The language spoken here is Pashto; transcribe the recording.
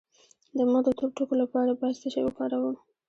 د مخ د تور ټکو لپاره باید څه شی وکاروم؟